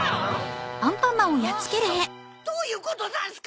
どういうことざんすか？